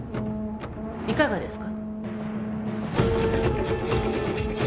いかがですか？